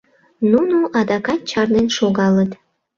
Нуно адакат чарнен шогалыт.